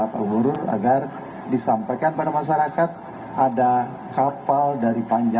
pak guru agar disampaikan pada masyarakat ada kapal dari panjang